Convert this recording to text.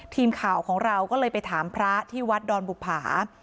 ทีมข่าวของเราก็เลยไปถามพระที่วัดดอนบุภา